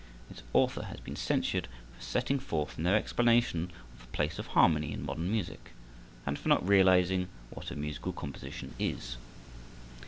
Its author has been censured for setting forth no explanation of the place of harmony in modern music, and for not realizing what a musical composition is.